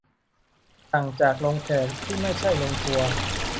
ต่างจากลงแขก ที่ไม่ใช่ทัวร์ลง